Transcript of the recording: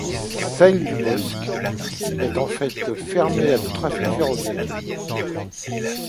Salelles-du-Bosc est, de fait, fermée à tout trafic ferroviaire.